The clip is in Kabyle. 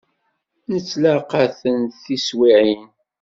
Nettlaqa-ten tiswiεin.